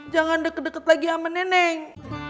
jangan deket deket lagi sama neneng